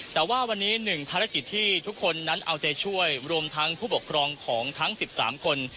แต่ว่าวันนี้หนึ่งภารกิจที่ทุกคนนั้นเอาใจช่วยรวมทั้งผู้ปกครองของทั้ง๑๓คน